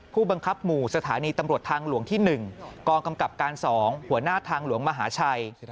ผู้บังคับหมู่สถานีตำรวจทางหลวงที่๑กองกำกับการ๒หัวหน้าทางหลวงมหาชัย